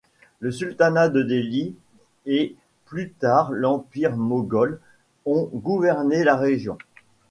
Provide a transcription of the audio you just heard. Le sultanat de Delhi et plus tard l'Empire moghol ont gouverné la région.